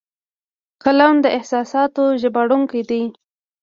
قلم د احساساتو ژباړونکی دی